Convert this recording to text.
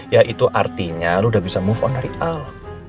ya itu artinya lu udah bisa move on dari allah